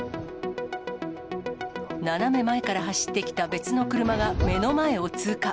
斜め前から走ってきた別の車が目の前を通過。